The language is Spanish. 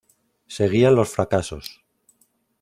Seguían los fracasos.